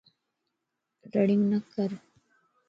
رڙيون نه ڪر